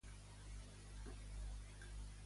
Què fa Txarango cap a final de juny?